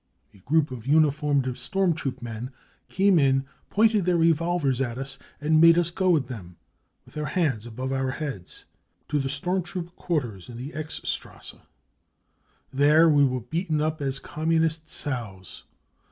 A group of uniformed storm troop men came in, pointed their revolvers at us and made us go with them, with our hands above our heads, to the storm troop quarters in the X Strasse. There we were first beaten up as 4 Communist sows.